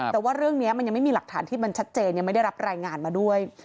แต่ว่าเรื่องนี้มันยังไม่มีหลักฐานที่มันชัดเจนยังไม่ได้รับรายงานมาด้วย